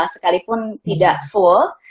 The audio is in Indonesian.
sekalipun tidak full